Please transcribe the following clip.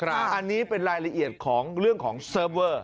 อันนี้เป็นรายละเอียดของเรื่องของเซิร์ฟเวอร์